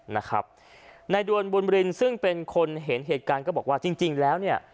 นายดวนบุญรินซึ่งเป็นคนเห็นเหตุการณ์ก็บอกว่าจริงจริงแล้วเนี่ย